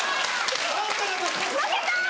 負けた！